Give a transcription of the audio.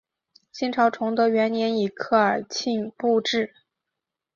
清朝崇德元年以科尔沁部置。